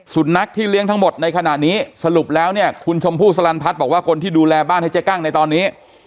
นักที่เลี้ยงทั้งหมดในขณะนี้สรุปแล้วเนี่ยคุณชมพู่สลันพัฒน์บอกว่าคนที่ดูแลบ้านให้เจ๊กั้งในตอนนี้